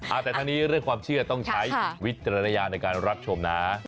เอาแต่ทั้งนี้เรื่องความเชื่อต้องใช้วิจารณญาณในการรับชมนะ